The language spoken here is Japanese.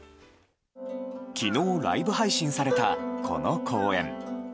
昨日ライブ配信されたこの公演。